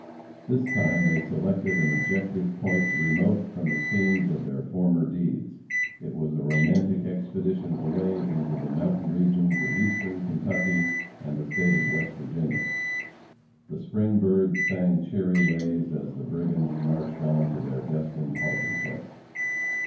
This time they selected an objective point remote from the scenes of their former deeds. It was a romantic expedition away into the mountain regions of Eastern Kentucky and the state of West Virginia. The spring birds sang cheery lays as the brigands marched on to their destined halting place.